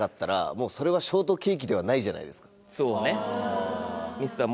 そうね。